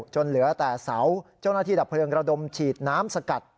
จนเหลือแต่เสาเจ้าหน้าที่ดับเพลิงระดมฉีดน้ำสกัด